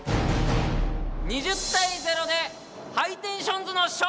２０対０でハイテンションズのしょうり！